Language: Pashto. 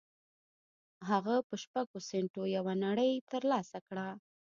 هغه په شپږو سينټو یوه نړۍ تر لاسه کړه